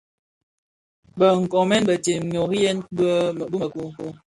Bë nkoomèn bëntsem nnoriyèn bi mëku.